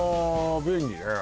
便利ね